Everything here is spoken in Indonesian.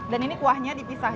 dan ini kuahnya dipisah